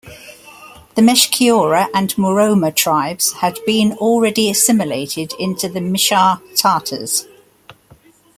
The Meshchyora and Muroma tribes had been already assimilated into the Mishar Tatars.